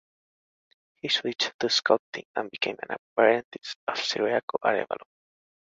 He switch to sculpting and became an apprentice of Ciriaco Arevalo.